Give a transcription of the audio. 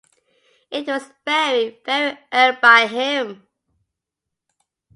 It was very, very earned by him.